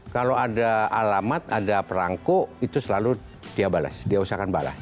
kalau ada alamat ada perangkuk itu selalu dia bales dia usahakan bales